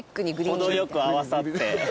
程よく合わさって。